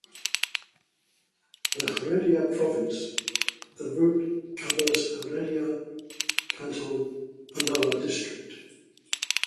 In Heredia province the route covers Heredia canton (Ulloa district).